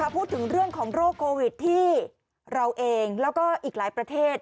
พูดถึงเรื่องของโรคโควิดที่เราเองแล้วก็อีกหลายประเทศ